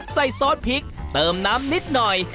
ซอสพริกเติมน้ำนิดหน่อย